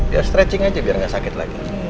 ya stretching aja biar nggak sakit lagi